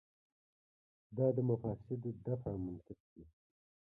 دا د مفاسدو دفع منطق دی.